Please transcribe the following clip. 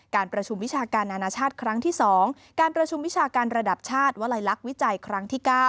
การประชุมวิชาการนานาชาติครั้งที่๒การประชุมวิชาการระดับชาติวลัยลักษณ์วิจัยครั้งที่๙